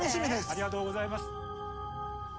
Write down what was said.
ありがとうございます。